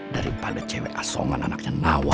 daripada cewek asongan anaknya nawa